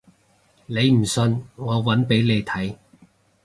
你唔信我搵俾你睇